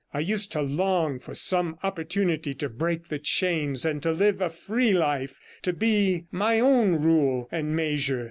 I used to long for some opportunity to break the chains and to live a free life, to be my own rule and measure.